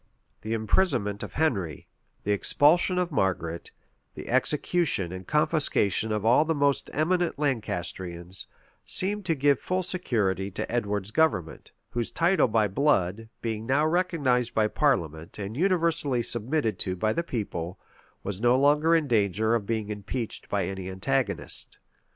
The imprisonment of Henry, the expulsion of Margaret, the execution and confiscation of all the most eminent Lancastrians, seemed to give full security to Edward's government; whose title by blood, being now recognized by parliament, and universally submitted to by the people, was no longer in danger of being impeached by any antagonist.